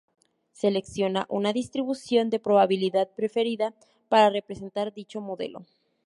Selecciona una distribución de probabilidad preferida para representar dicho modelo.